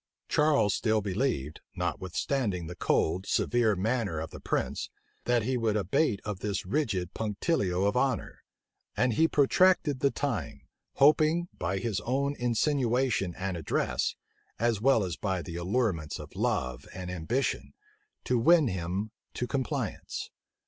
Charles still believed, notwithstanding the cold, severe manner of the prince, that he would abate of this rigid punctilio of honor; and he protracted the time, hoping, by his own insinuation and address, as well as by the allurements of love and ambition, to win him to compliance.